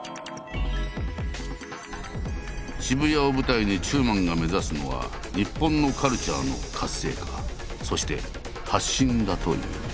渋谷を舞台に中馬が目指すのは日本のカルチャーの活性化そして発信だという。